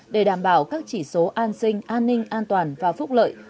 để đảm bảo các chỉ số an sinh an ninh an toàn và phúc lợi